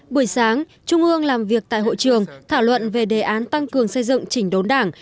buổi sáng trung ương làm việc tại hội trường thảo luận về đề án tăng cường xây dựng chỉnh đốn đảng